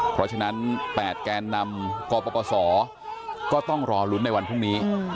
เพราะฉะนั้น๘แกนนำกปศก็ต้องรอลุ้นในวันพรุ่งนี้